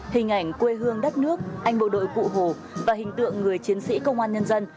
hình ảnh quê hương đất nước anh bộ đội cụ hồ và hình tượng người chiến sĩ công an nhân dân